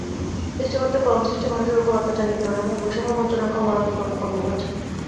সৃষ্টিকর্তার পরম সৃষ্টি মানুষের ওপর অত্যাচার-নিপীড়ন এবং বৈষম্য-বঞ্চনার ক্ষমার অযোগ্য অপকর্ম করেছে।